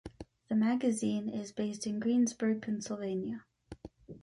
The magazine is based in Greensburg, Pennsylvania.